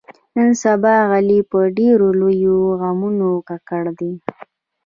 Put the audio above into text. نن سبا علي په ډېرو لویو غمونو ککړ دی.